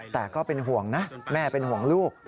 แต่ก็เป็นห่วงนะแม่เป็นห่วงลูก